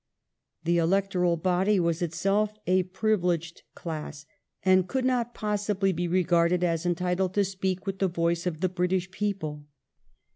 The electoral body was itself a privileged class, and could not possibly 1702 14 THE ELECTORAL BODY. 395 be regarded as entitled to speak with the voice of the British people.